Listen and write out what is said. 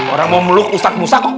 orang mau meluk ustadz musa kok